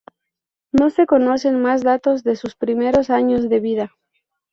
No se conocen más datos de sus primeros años de vida.